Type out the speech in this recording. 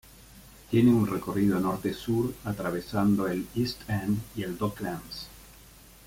Tiene un recorrido norte-sur atravesando el East End y el Docklands.